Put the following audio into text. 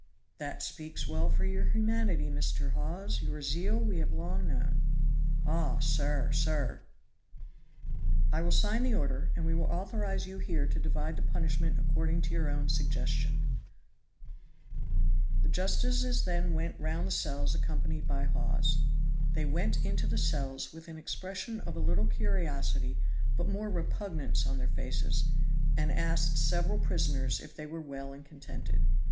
"That speaks well for your humanity, Mr. Hawes; your zeal we have long known." "Augh, sir! sir!" "I will sign the order, and we authorize you here to divide the punishment according to your own suggestion." (Order signed.) The justices then went round the cells accompanied by Hawes. They went into the cells with an expression of a little curiosity but more repugnance on their faces, and asked several prisoners if they were well and contented.